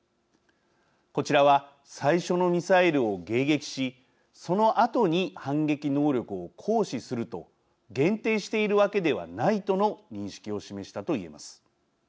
こちらは最初のミサイルを迎撃しそのあとに反撃能力を行使すると限定しているわけではないとの認識を示したと言えます。